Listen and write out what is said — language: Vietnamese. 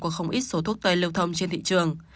của không ít số thuốc tây lưu thông trên thị trường